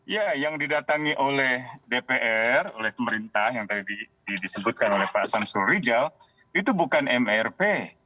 ya yang didatangi oleh dpr oleh pemerintah yang tadi disebutkan oleh pak samsul rijal itu bukan mrp